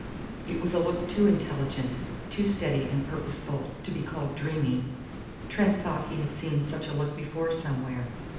It was a look too intelligent, too steady and purposeful, to be called dreamy. Trent thought he had seen such a look before somewhere.